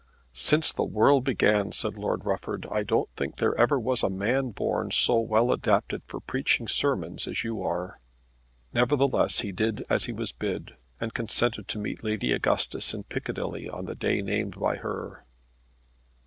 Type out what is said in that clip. "Since the world began," said Lord Rufford, "I don't think that there was ever a man born so well adapted for preaching sermons as you are." Nevertheless he did as he was bid, and consented to meet Lady Augustus in Piccadilly on the day named by her.